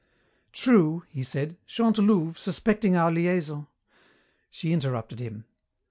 "True," he said, "Chantelouve, suspecting our liaison " She interrupted him.